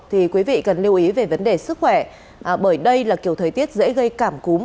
thì quý vị cần lưu ý về vấn đề sức khỏe bởi đây là kiểu thời tiết dễ gây cảm cúm